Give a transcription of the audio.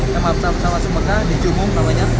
yang saat masuk mekah di jumum namanya